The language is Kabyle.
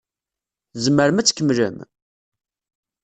Tzemrem ad tkemmlem?